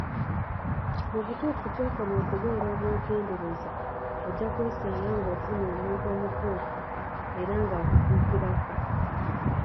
Mu butuufu gy'okoma okubeera omwegendereza ojja kwesanga nga ofunye omuntu omutuufu era ng'akutuukirako.